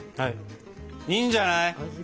いいんじゃない？